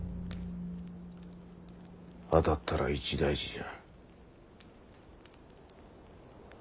あたったら一大事じゃ。